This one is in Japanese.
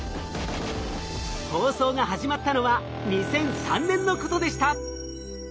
放送が始まったのは２００３年のことでした。